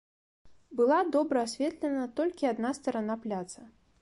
Была добра асветлена толькі адна старана пляца.